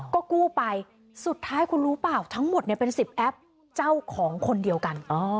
ก็กู้ไปสุดท้ายคุณรู้เปล่าทั้งหมดเป็น๑๐แอปเจ้าของคนเดียวกัน